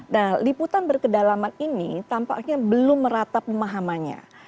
nah liputan berkedalaman ini tampaknya belum merata pemahamannya